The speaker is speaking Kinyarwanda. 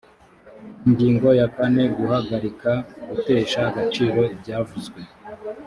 ingingo ya kane guhagarika gutesha agaciro ibyavuzwe